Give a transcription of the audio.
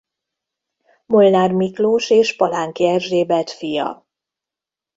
Molnár Miklós és Palánki Erzsébet fia.